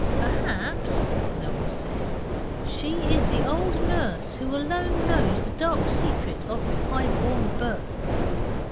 'Perhaps,' Noel said, 'she is the old nurse who alone knows the dark secret of his highborn birth.